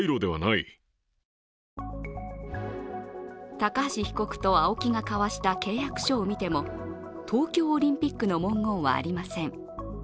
高橋被告とＡＯＫＩが交わした契約書を見ても、「東京オリンピック」の文言はありません。